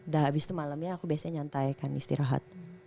dah abis itu malemnya aku biasanya nyantai kan istirahat